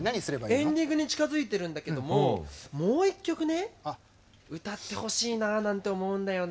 エンディングに近づいてるんだけどももう一曲ね歌ってほしいななんて思うんだよね。